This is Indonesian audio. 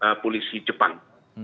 badan polisi jepang